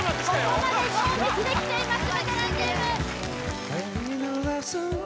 ここまでノーミスできています